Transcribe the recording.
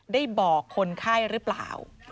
ได้บอกคนไข้หรือเปล่า